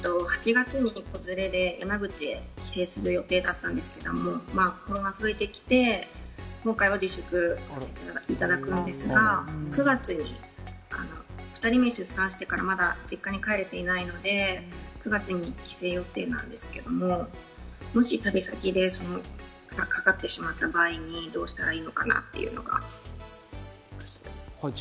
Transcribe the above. ８月に子連れで山口に帰省する予定だったんですけれども、コロナが増えてきて、今回は自粛させていただくんですが、９月に２人目を出産してから、まだ実家に帰れていないので、帰省予定なんですけれども、もし旅先でかかってしまった場合にどうしたらいいのかなと思っています。